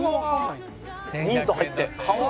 ミント入って。